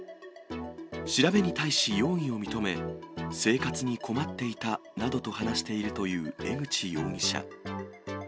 調べに対し容疑を認め、生活に困っていたなどと話しているという江口容疑者。